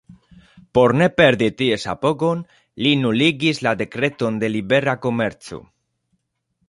Por ne perdi ties apogon, li nuligis la dekreton de libera komerco.